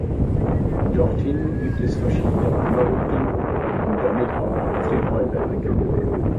Dorthin gibt es verschiedene Wanderrouten und damit auch auf den Heuberg.